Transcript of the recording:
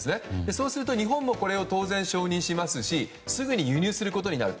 そうすると日本もこれを当然承認しますしすぐに輸入することになる。